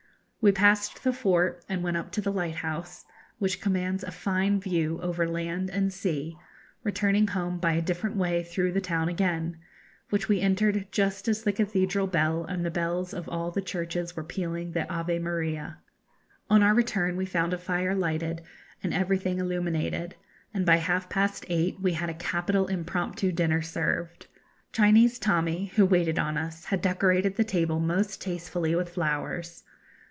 We passed the fort, and went up to the lighthouse, which commands a fine view over land and sea; returning home by a different way through the town again, which we entered just as the cathedral bell and the bells of all the churches were pealing the Ave Maria. On our return we found a fire lighted and everything illuminated, and by half past eight we had a capital impromptu dinner served. Chinese Tommy, who waited on us, had decorated the table most tastefully with flowers.